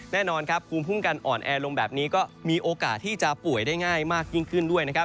แน่นอนครับภูมิคุ้มกันอ่อนแอลงแบบนี้ก็มีโอกาสที่จะป่วยได้ง่ายมากยิ่งขึ้นด้วยนะครับ